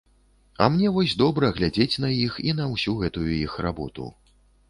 А мне вось добра глядзець на іх і на ўсю гэтую іх работу.